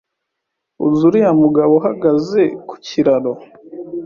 Uzi uriya mugabo uhagaze ku kiraro?